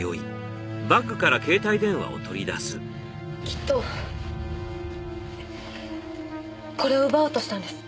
きっとこれを奪おうとしたんです。